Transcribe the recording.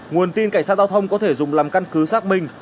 nguồn tin cảnh sát giao thông có thể dùng làm căn cứ xác minh